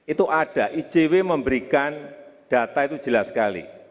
itu ada icw memberikan data itu jelas sekali